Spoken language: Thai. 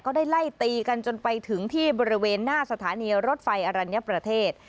ได้ไล่ตีกันจนไปถึงที่บริเวณหน้าสถานีรถไฟอรัญญประเทศ